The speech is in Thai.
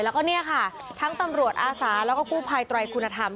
แล้วก็เนี่ยค่ะทั้งตำรวจอาสาแล้วก็กู้ภัยไตรคุณธรรม